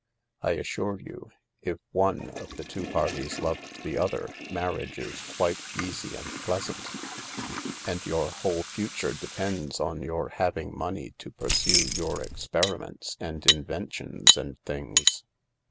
I assure you, if one of the two parties loved the other, Carriage is quite easy and pleasant. And your whole future depends on yotir having mohey to pursue yotir e£f>erimertts and inventions and things.